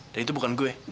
dan itu bukan gue